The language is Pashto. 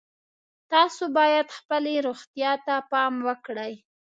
تاسو باید خپلې روغتیا ته پام وکړئ